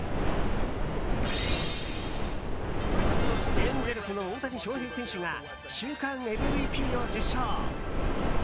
エンゼルスの大谷翔平選手が週間ＭＶＰを受賞。